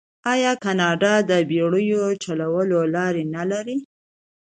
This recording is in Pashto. آیا کاناډا د بیړیو چلولو لارې نلري؟